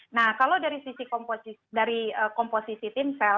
nah kalau dari sisi komposisi timsel